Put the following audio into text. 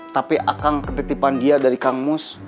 tapi akan ketitipan dia dari kang mus